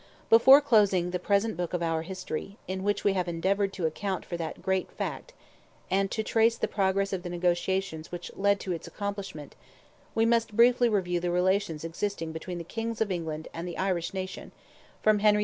Before closing the present Book of our History, in which we have endeavoured to account for that great fact, and to trace the progress of the negotiations which led to its accomplishment, we must briefly review the relations existing between the Kings of England and the Irish nation, from Henry II.